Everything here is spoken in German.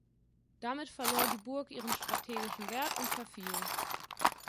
Damit verlor die Burg ihren strategischen Wert und verfiel.